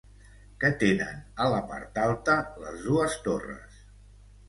Què tenen a la part alta les dues torres?